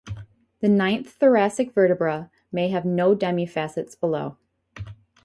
The ninth thoracic vertebra may have no demi-facets below.